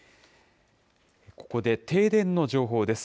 ここで停電の情報です。